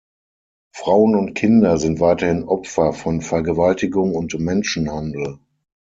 Frauen und Kinder sind weiterhin Opfer von Vergewaltigung und Menschenhandel.